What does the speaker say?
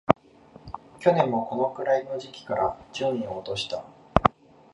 去年もこのくらいの時期から順位を落とした